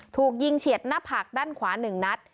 ถูกยิงเฉียดหน้าผากด้านขวา๑นัด